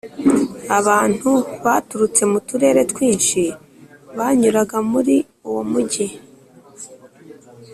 abantu baturutse mu turere twinshi banyuraga muri uwo mujyi,